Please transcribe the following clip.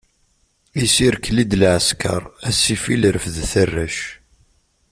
Isirkli-d lɛesker, a ssifil refdet arrac.